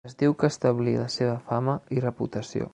Es diu que establí la seva fama i reputació.